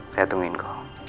saya tungguin kau